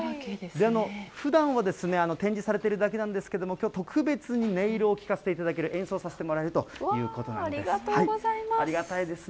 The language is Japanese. ふだんはですね、展示されているだけなんですけれども、きょう、特別に音色を聞かせていただける、演奏させてもらえるということなありがとうございます。